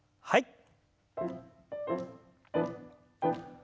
はい。